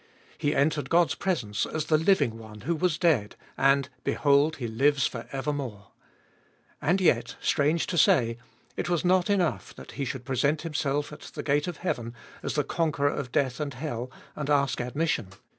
He entered God's presence as the living One who was dead, and behold, He lives for evermore. And yet, strange to say, it was not enough that He should present Himself at the gate of heaven as the con queror of death and hell, and ask admission.